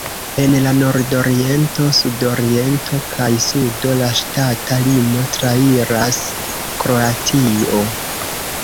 En la nordoriento, sudoriento kaj sudo, la ŝtata limo trairas Kroatio.